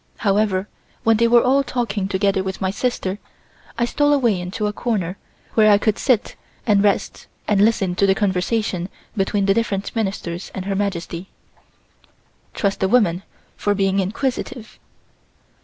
However, when they were all talking together with my sister, I stole away into a corner where I could sit and rest and listen to the conversation between the different Ministers and Her Majesty. Trust a woman for being inquisitive.